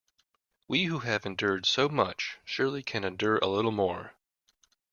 We who have endured so much surely can endure a little more.